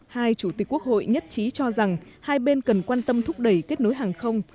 hai chủ tịch quốc hội nhất trí cho rằng hai bên cần quan tâm thúc đẩy kết nối hàng không